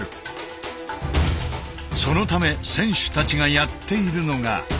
そのため選手たちがやっているのが。